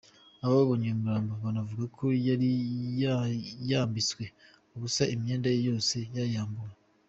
Ababonye uyu murambo banavuga ko yari yambitswe ubusa imyenda ye yose yayambuwe.